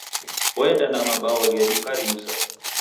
Oenda na mabao redu na kariuza